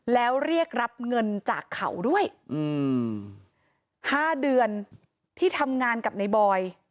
แล้วเรียกรับเงินจากเขาด้วย๕เดือนที่ทำงานกับในบอย